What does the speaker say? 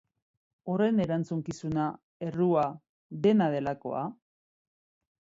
Horren erantzukizuna, errua, dena delakoa?